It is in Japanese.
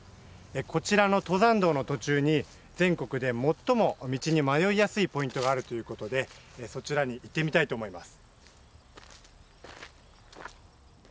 こちらの登山道の途中に、全国で最も道に迷いやすいポイントがあるということでそちらに行ってみたいと思います。